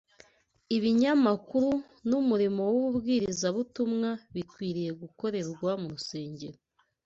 ibinyamakuru n’umurimo w’ububwirizabutumwa bikwiriye gukorerwa mu nsengero